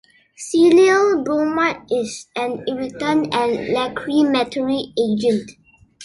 Xylyl bromide is an irritant and lachrymatory agent.